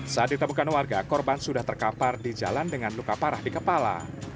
saat ditemukan warga korban sudah terkapar di jalan dengan luka parah di kepala